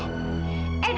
injil ini tidak adil